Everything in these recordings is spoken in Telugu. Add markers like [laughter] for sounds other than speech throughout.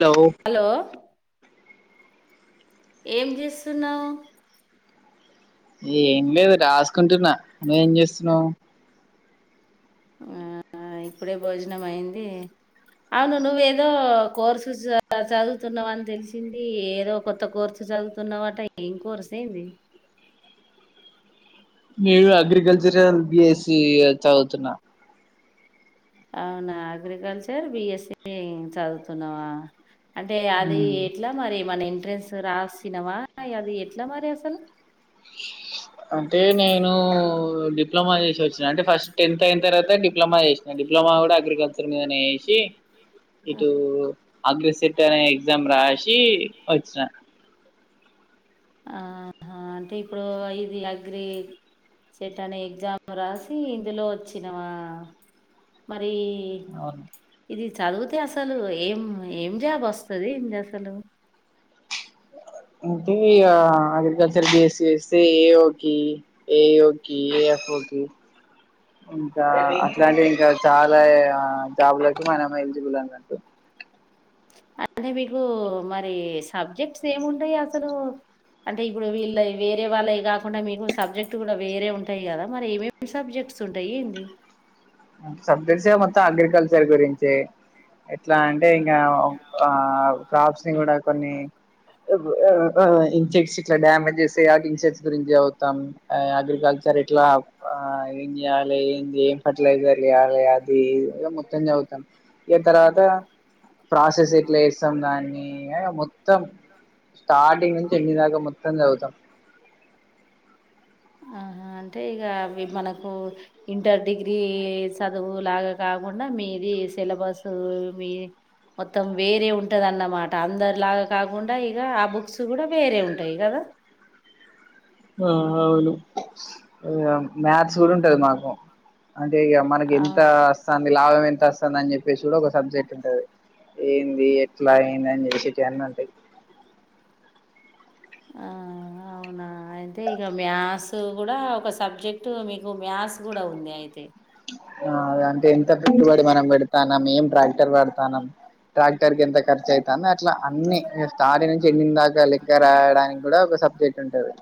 హలో హలో ఏం చేస్తున్నావ్ ఏం లేదు రాసుకుంటున్నా నువ్వు ఏం చేస్తున్నావ్ ఆ ఇప్పుడే భోజనం అయింది అవును నువ్వేదో కోర్సు చదువుతున్నావని తెలిసింది ఏదో కొత్త కోర్సు చదువుతున్నావట ఏం కోర్సు ఏంది నేను అగ్రికల్చరల్ బిఎస్సి చదువుతున్నా అవునా అగ్రికల్చర్ బిఎస్సి చదువుతున్నావా అంటే అది ఉమ్, ఎట్లా మరి మన ఎంట్రెన్స్ రాసినవా అది ఎట్లా మరి అసలు అంటే నేను డిప్లమా చేసి వచ్చిన అంటే ఫస్ట్ టెన్త్ అయిన తర్వాత డిప్లమా చేసినా డిప్లమా కూడా అగ్రికల్చర్ మీదనే చేసి ఇటూ అగ్రి సెట్ అనే ఎగ్జామ్ రాసి వచ్చిన ఆహా అంటే ఇప్పుడు ఇది అగ్రి సెట్ అనే ఎగ్జామ్ రాసి ఇందులో ఒచ్చినవా ఈ అవును ఇది చదివితే అసలు ఏం ఏం జాబ్ అస్తది ఏంది అసలు అంటే ఇగ అగ్రికల్చర్ బీఎస్సీ చేస్తే ఏ ఓకి ఏ ఈ ఓకి ఏ ఎఫ్ ఓ ఓకి ఇంకా అట్లాంటివి ఇంకా చాలా జాబ్ లకి మనము ఎలిజిబుల్ అన్నట్టు అంటే మీకు మరి సబ్జెక్ట్స్ ఏముంటయ్ అసలు అంటే ఇప్పుడు వీళ్ళయ్ వేరే వాళ్ళయ్ కాకుండా మీకు సబ్జెక్ట్ కూడా వేరే ఉంటాయి కదా మరి ఏమేమి సబ్జెక్ట్ స్ ఉంటాయ్ ఏంది సబ్జెక్ట్స్ఏ మొత్తం అగ్రికల్చర్ గురించే ఎట్లా అంటే ఇంకా ఆ క్రాప్స్ ని కూడా కొన్ని ఇన్సెక్ట్స్ ఇట్లా డ్యామేజ్ చేస్తాయి కాబట్టి ఇన్సెక్ట్స్ గురించి చదువుతాం అగ్రికల్చర్ చర్ ఇట్లా ఆ ఏం చేయాలి ఏంది ఏం ఫెర్టిలైజర్లు అది ఇగ మొత్తం చదువుతాం ఇగ తర్వాత ప్రాసెస్ ఎట్లా చేస్తాం దాన్ని మొత్తం స్టార్టింగ్ నుంచి ఎండ్ దాకా మొత్తం చదువుతాం ఆహా అంటే ఇగ అవి మనకు ఇంటర్ డిగ్రీ చదువు లాగా కాకుండా మీది సిలబసు మీ మొత్తం వేరే ఉంటదన్నమాట అందరిలాగా కాకుండా ఇగ ఆ బుక్స్ కూడా వేరే ఉంటాయి కదా హ్మ్ అవును ఇగ మాథ్స్ కూడా ఉంటది మాకు అంటే ఇగ మనకి ఆ! ఎంత అస్తంది లాభం ఎంత అస్తాంది అని చెప్పేసి కూడా ఒక సబ్జెక్ట్ ఉంటది ఏంది ఎట్లా అయింది అని చేసేటీ అన్నీ ఉంటయ్ ఆ అవునా అయితే ఇగ మ్యాథ్స్ కూడా ఒక సబ్జెక్ట్ మీకు మ్యాథ్స్ కూడా ఉంది అయితే ఆ అంటే ఎంత పెట్టుబడి మనం పెడతానం ఏం ట్రాక్టర్ కడతానం ట్రాక్టర్కి ఎంత ఖర్చు అయితాంది అట్లా అన్నీ మీరు స్టార్టింగ్ నుంచి ఎండింగ్ దాకా లెక్క రాయడానికి కూడా సబ్జెక్ట్ ఉంటది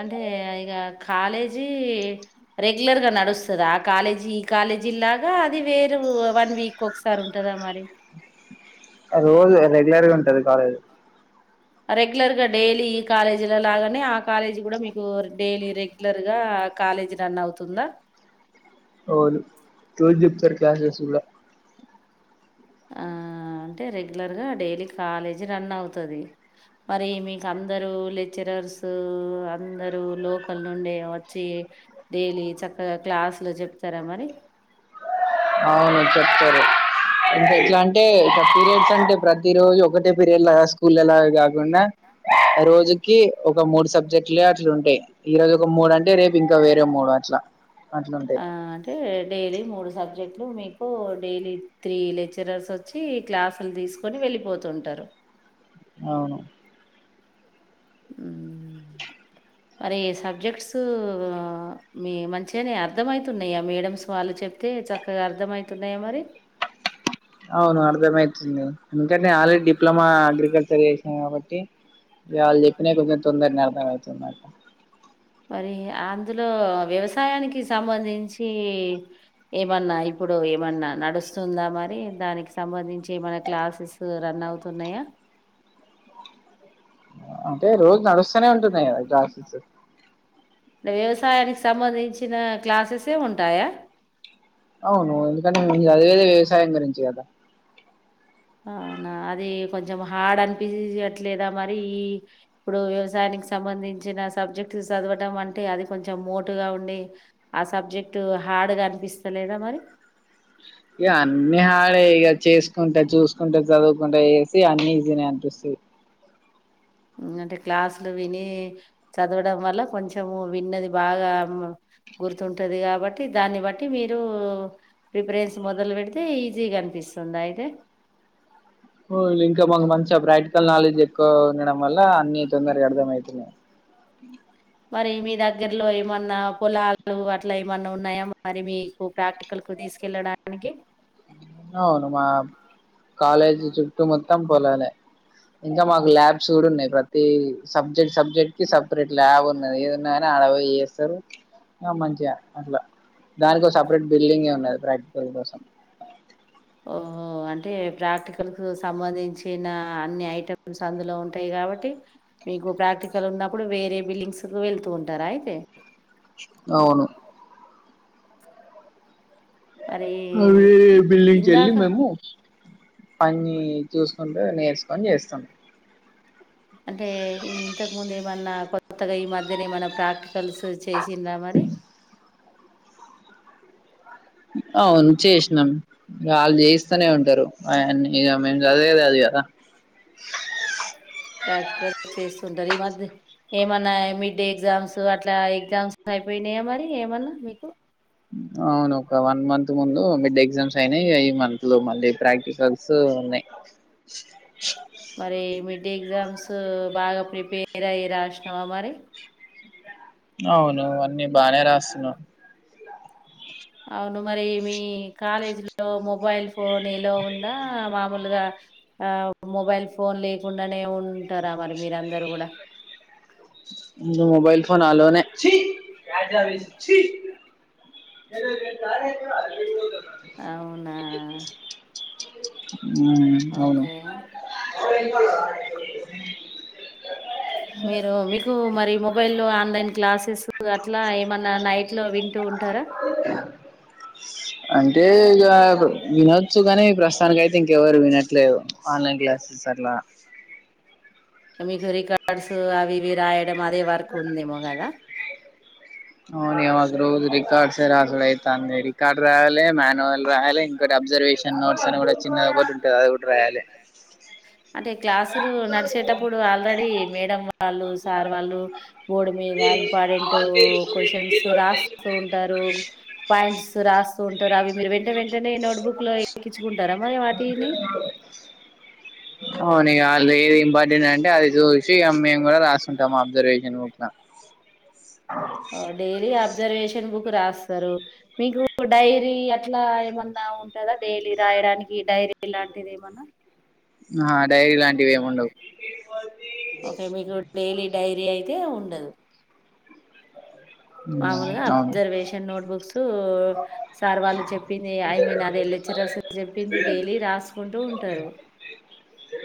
అంటే ఇగ కాలేజీ రెగ్యులర్ గా నడుస్తదా ఆ కాలేజీ ఈ కాలె కాలేజీలాగా అది వేరు వన్ వీక్ ఒకసారి ఉంటదా మరి ఆ రోజు రెగ్యులర్గా ఉంటాది కాలేజ్ రెగ్యులర్ గా డైలీ ఈ కాలేజిల లాగానే ఆ కాలేజీ కూడా మీకు డైలీ రెగ్యులర్ గా ఆ కాలేజ్ రన్ అవుతుందా అవును రోజ్ చెప్తారు క్లాస్ గూడా ఆ అంటే రెగ్యులర్ గా డైలీ కాలేజీ రన్ అవుతాది మరి మీకు అందరు లెక్చర్స్ అందరు లోకల్ నుండే వచ్చి డైలీ చక్కగా క్లాసులు చెప్తారా మరి అవును చెప్తారు అంటే ఎట్లా అంటే ఇట్ల పీరియడ్స్ అంటే ప్రతి రోజు ఒకటే పీరియడ్ లా స్కూల్లా కాకుండా రోజుకి ఒక మూడు సబ్జెక్టులే అట్లు ఉంటాయి. ఈ రోజు ఒక మూడు అంటే రేపు ఇంకా వేరే మూడు అట్లా అట్లుంటాయి. ఆ అంటే డైలీ మూడు సబ్జెక్ట్ మీకు డైలీ త్రీ లెక్చరర్స్ వచ్చి క్లాసులు తీసుకొని వెళ్ళిపోతుంటారు. అవును ఉ మరి సబ్జెక్ట్స్ మీ మంచిగానే అర్థమయితున్నాయా మేడమ్స్ వాళ్ళు చెప్తే చక్కగా అర్ధమవుతున్నాయా మరి అవును అర్థమవుతుంది కాదా ఎందుకంటే నేను ఆల్రెడీ డిప్లొమా అగ్రికల్చర్ చేసిన కాబట్టి వాళ్ళు చేపిన కొంచెంతోందర్నె అర్ధమయితుంది నాకు మరి అందులో వ్యవసాయానికి సంబంధించి ఏమన్నా ఇప్పుడు ఏమన్నా నడుస్తుందా మరి దానికి సంబంధించి ఏమైనా క్లాసెస్ రన్ అవుతున్నాయా అంటే రోజు నడుస్తూనే ఉంటున్నాయి కదా క్లాస్సేస్ టే వ్యవసాయానికి సంబంధించిన క్లాసుసే ఉంటాయా అవును ఎందుకంటే చదివెదే వ్యవసాయం గురించి కదా అవునా అది కొంచెం హాడ్ అనిపియట్లేదా మరి ఈ ఇప్పుడు వ్యవసాయానికి సంబంధించిన సబ్జెక్ట్ చదవడం అంటే అది కొంచెం మోటుగా ఉండి ఆ సబ్జెక్ట్ హాడ్గా అనిపిస్తలేదా మరి ఇగా అన్ని హడే ఇగా చేస్ కుంట చూసుకుంట చదువుకుంట చేసి స అన్ని ఈజీని అనిపిస్తుంది. అంటే క్లాసులు విని చదవడం వల్ల కొంచము విన్నది బాగా గుర్తుంటాది కాబట్టి దాన్ని బట్టి మీరు ప్రిపరెన్స్ మొదలు పెడితే ఈజీగానే పిస్తుందా అయితే [unintelligible] ఇంకా మాకు మంచిగా ప్రాక్టికల్ నాలెడ్జ్ ఎక్కువ ఉండడం వల్ల అన్ని తొందరగా అర్థమయితునాయి మరి మీ దగ్గరలో ఏమన్నా పొలాలు అట్లా ఏమన్నా ఉన్నాయా మరి మీకు ప్రాక్టికల్ కుది తీసుకెళ్లడానికి అవును మా కాలేజి చుట్టూ మొత్తం పోలాలే ఇంకా మాకు ల్యాబ్స్ కూడా ఉన్నాయి. ప్రతి సబ్జెక్ట్ సబ్జెక్ట్ కి సపరేట్ ల్యాబ్ ఉన్నది ఏదున్నా ఆడ పోయి చేస్తారు ఆ మంచిగా అట్లా దానికో ఒ సపరేట్ బిల్డింగే ఉన్నాది ప్రాక్టికల్ కోసం ఓహో అంటే ప్రాక్టికల్ కు సంబంధించిన అన్ని ఐటెమ్స్ అందులో ఉంటాయి కాబట్టి మీకు ప్రాక్టికల్ ఉన్నప్పుడు వేరే బిల్డింగ్స్ కు వెళ్తూ ఉంటారా అయితే అవును మరి వేరే ఇ- బిల్డింగ్ వెళ్లి ఇందాక మేము అన్ని చూసుకుంటూ నేర్చుకొని చేస్తాం మేం అంటే ఈ ఇంతకు ముందు ఏమన్నా కొత్తగా ఈ మధ్యనే ఏమైన్నా ప్రాక్టికల్స్ చే చేసిలా మరి అవును చేసినాం వాళ్ళు చేయిస్తూనే ఉంటారు అయన్నీ ఇగా మేము చదివెదే అది కాదా ప్రాక్టికల్ చేస్తుంటారు ఈ మధ్య ఏమన్నా మిడ్ ఎగ్జామ్స్ అట్లా ఎగ్జామ్స్ అయిపోయి పోయినాయా మరి ఏమన్నా మీకు అవును ఒక వన్ మంత్ ముందు మిడ్ ఎగ్జామ్స్ అయినాయి ఈ మంత్ లో మళ్ళీ ప్రాక్టికల్స్ ఉన్నాయి మరి మిడ్డే ఎగ్జామ్స్ బాగా ప్రిపేర్ అయి రాసినవా మరి అవును అన్నీ బానే రాస్తున్నా అవును మరి మీ కాలేజీ లో మొబైల్ ఫోన్ ఎలో ఉందా మామూలుగా ఆ మొబైల్ ఫోన్ లేకుండానే ఉంటారా మరి మీరందరుూ కూడా మొబైల్ ఫోన్ ఆలోనే ఎ తారే ఎ అవునా ఉమ్ అవును ఓకే మీరు మీకు మరి మొబైల్ ఆన్లైన్ క్లాసెస్ ఇ అట్లా ఏమన్నా నైట్ లో వింటూ ఉంటారా అంటే ఇక వినొచ్చు కాని ప్రస్తుతానినికి అయితే ఇంకెవరు వినట్లేరు ఆన్లైన్ క్లాసె అట్లా మీకు రికార్డ్స్ అవి ఇవి రాయడం అదే వర్క్ ఉందేమో కదా అవు నే మాకు రోజు రికార్డ్స్ రాసడ అయితు అంది రికార్డ్ రావాలి మానుయువల్ రాయాలి ఇంకా అబ్జర్వ్ అబ్జర్వేషన్ నోట్స్ అని కూడా వచ్చింది అదోటి ఉంటుంది అది కూడా రాయాలి అంటే క్లాసులు నడిచేటప్పుడు ఆల్రెడీ మేడం వాళ్ళు సార్ వాళ్ళు బోర్డు మీద ఇంపార్టెంట్ క్యూస్టియన్ రాస్తూ ఉంటారు పాయింట్స్ రాస్తంటారు అ మీరు వెంట వెంటనే నోట్బుక్ లో ఎక్కించుకుంటారా మరి వాటిని అవును ఏది ఇంపార్టెంట్ అంటే అది చూసి మేము కూడా రాసుకుంటాం అబ్జర్వేషన్ బూప్ల ఓ డేలీ ఆ అబ్జర్వేషన్ బుక్ రాస్తారు మీకు డైరీ అట్లా ఏమన్నా ఉంటారా డైలీ రా చేయడానికి డైరీ ఇలాంటిది ఏమన్నా ఆ డైరీ లాంటివి ఏమి ఉండవు ఓకే మీకు డైలీ డైరీ అయితే ఉండదు హ్మ్ మామూలుగా అవును అబ్జర్వేషన్ నోట్బుక్స్ సార్ వాళ్ళు చెప్పింది ఐ మీన్ అది లెక్చరర్ అ అసలు చెప్పింది డైలీ రాసుకుంటూ ఉంటారు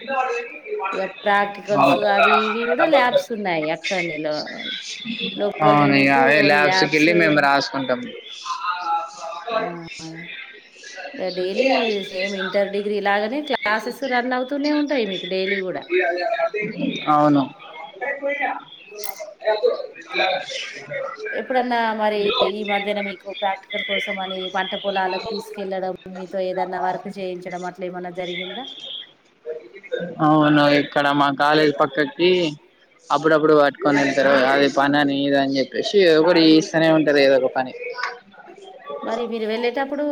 ఎ వాడు ఇక ప్రాక్టికల్స్ అవి ఇవి కూడా ల్యాబ్స్ ఉన్నాయి అక్కడనిలో లోపాల్ని మీకు అే ల్యాబ్స్ క వెళ్ళి మేము రాసుకుంటాము డైలీ సేమ్ ఇంటర్ డిగ్రీ లాగానే క్లాసెస్ రన్ అవుతూనే ఉంటాయి మీకు డైలీ కూడా అవును ఎప్పుడన్నా మరి ఈ మధ్యన మీకు ప్రాక్టికల్ కోసం అని పంట పొలాలకు తీసుకెళ్ళడం మీతో ఏదన్నా వర్క్ చేయించడం అట్లా ఏమన్నా జరిగిందా అవును ఇక్కడ మా కాలేజీ పక్కకి అబ్బా అప్పుడప్పుడు పట్టుకొని వెళ్తారు అది పని అని ఇద అని చెప్పేసి ఒకటి ఇస్తనే ఉంటంది ఏదో ఒక పని మరి మీరు వెళ్ళేటప్పుడు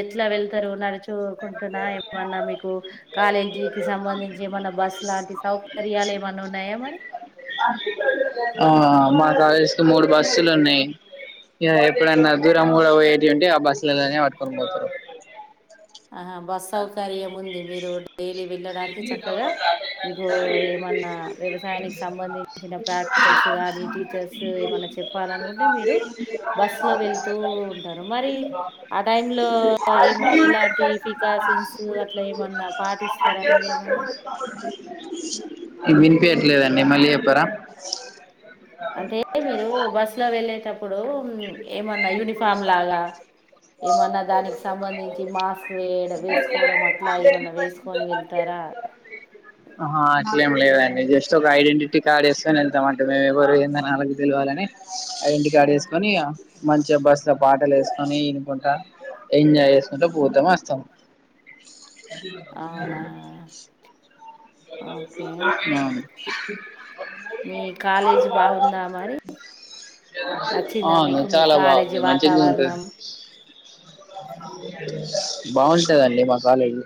ఎట్లా వెళ్త నడుచుకుంటున్నా ఏమన్నా మీకు కాలేజీ క సంబంధించి ఏమన్నా బస్సు లాంటి సౌకర్యాలు ఏమన్నా ఉన్నాయా మరి ఆ మా కాలేజ్ కి మూడు బస్సులు ఉన్నాయి ఇ ఎప్పుడైన్నా దూరం కూడా పోయిటీవి ఉంటే ఆ బస్సులలోనే పట్టుకొని పోతారు ఆహా బస్ సౌకర్యం ఉంది మీరు డైలీ వెళ్ళడానికి చక్కగా మీకు ఏమన్నా వ్యవసాయానికి సంబంధించిన ప్రాక్టికల్స్ కానీ టీచర్స్ ఏమన్నా చెప్పాలనుకుంటే మీరు బస్ లో వెళతూ ఉంటారు మరి ఆ టైమ్ లో ఏమో ఎలాంటి ఫికాసిన్స్ అట్లా ఏమన్నా పాటిస్తారా మీరేమన్నా ఈ వినిపయట్లేదండి మలయపుర ఇప్పుడు ఏమన్నా యూనిఫార్మ్ లాగా ఏమన్నా దానికి సంబంధించి మాస్క్ వేయ వేసుకోవడం అట్లా ఏమన్నా వేసుకని వెళ్తారా ఆ హా అసలుం లేదండి జస్ట్ ఒక ఐడెంటిటీ కార్డ్ వసుకని వెళ్మంటట మేము ఎవరు కంద నాలుకు తెలివాలని ఐడెంటి ఆ, కడ మంచిగా బస్సులో పాటలు వేసుకొని ఇనుకుంటా ఎంజాయ్ చేసుకుంటే పూర్తమ వస్తాం అవునా అ ఓకే అ మీ కాలేజీ బాగుందా మరి నచ్చిందా అవు మీకు మీ చాలా కాలేజీ బాగుంది మంచిది ఉంటంది వాతావరణం బాగుంటుందండి మా కాలేజీ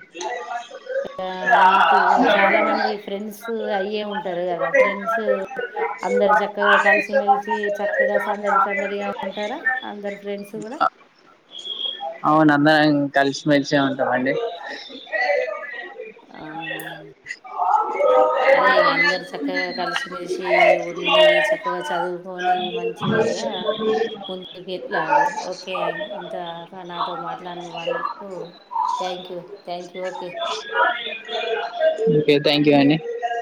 ఆ మీతో చాలా మంది ఫ్రెండ్స్ అయ్యే ఉంటారు కదా ఫ్రెండ్స్ అందరు చక్కగా కలిసిమెెలిసి చక్కగా సందడి సందడిగా ఉంటారా అందరు ఫ్రెండ్స్ కూడా ఆ అవును అందా కలిసిమెలిసి ఉంటానండి అవు అదే ఇక అందరు చక్కగా కలిసిమెలిసి ఉండి చక్కగా చదువుకొని మంచి ఆ ముందుకు వెళ్లాలి ఓకే ఇంతా నాతో మాట్లాడని అందుకు thank you thank you okay okay thank you a